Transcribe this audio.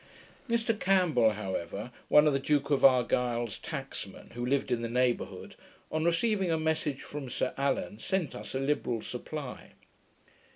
Mr Campbell however, one of the Duke of Argyle's tacksmen, who lived in the neighbourhood, on receiving a message from Sir Allan, sent us a liberal supply.